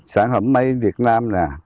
sản phẩm mây việt nam nè